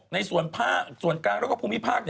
ในส่วนภาคส่วนกลางแล้วก็ภูมิภาค